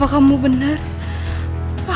aku salah membuat kamu menderita